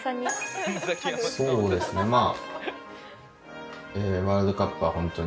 そうですねまあ。